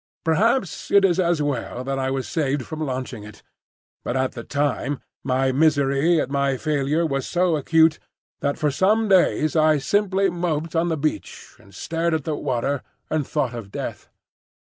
Perhaps it is as well that I was saved from launching it; but at the time my misery at my failure was so acute that for some days I simply moped on the beach, and stared at the water and thought of death.